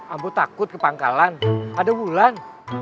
ambo takut kepangkalan ada bulan